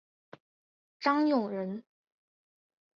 张永人。